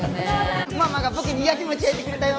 ママが僕に焼きもち焼いてくれたよ。